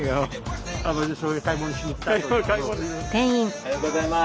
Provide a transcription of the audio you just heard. おはようございます。